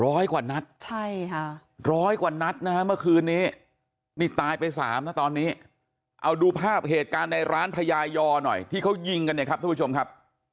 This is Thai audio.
ร้อยกว่านัดใช่ค่ะร้อยกว่านัดนะฮะเมื่อคืนนี้นี่ตายไปสามนะตอนนี้เอาดูภาพเหตุการณ์ในร้านพญายอหน่อยที่เขายิงกันเนี่ยครับทุกผู้ชมครับ